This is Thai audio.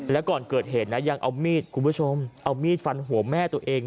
แล้วก่อนเกิดเหตุนะยังเอามีดคุณผู้ชมเอามีดฟันหัวแม่ตัวเอง